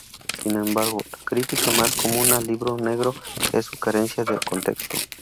Sin embargo, la crítica más común al "Libro negro" es su carencia de contexto.